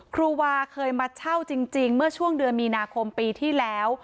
ครูวาเคยมาเช่าจริงเมื่อช่วงเดือนมีนาคมปีที่แล้ว